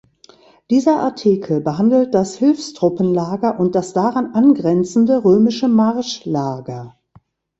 Dieser Artikel behandelt das Hilfstruppenlager und das daran angrenzende römische Marschlager.